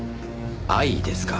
愛ですか？